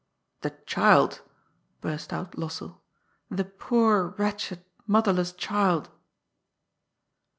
^ The child !" burst out Lossell ;^* the poor, wretched, motherless child